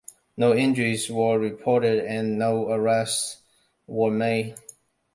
No injuries were reported and no arrests were made.